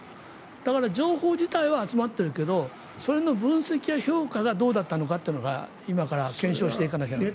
だから情報自体は集まっているけどそれの分析や評価がどうだったのかというのは今から検証しないといけない。